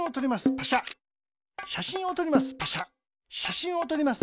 しゃしんをとります。